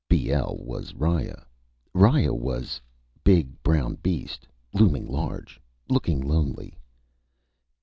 "_ BL was Riya. Riya was: _Big brown beast, looming large, looking lonely.